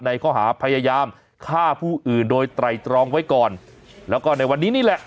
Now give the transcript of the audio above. ข้อหาพยายามฆ่าผู้อื่นโดยไตรตรองไว้ก่อนแล้วก็ในวันนี้นี่แหละ